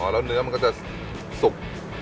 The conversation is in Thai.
แล้วเนื้อมันก็จะสุก